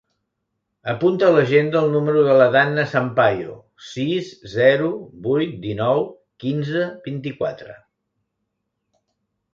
Apunta a l'agenda el número de la Danna Sampayo: sis, zero, vuit, dinou, quinze, vint-i-quatre.